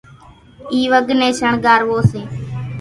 اِي وڳ نين شڻگھاروو سي،